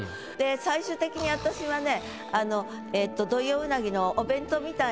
最終的に私はね。